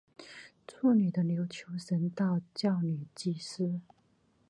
祝女的琉球神道教女祭司。